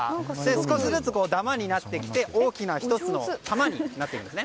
少しずつダマになってきて大きな１つの玉になっていくんです。